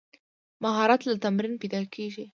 مهارت له تمرین پیدا کېږي.